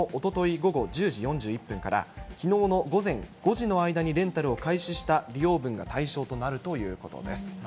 午後１０時４１分から、きのうの午前５時の間にレンタルを開始した利用分が対象となるということです。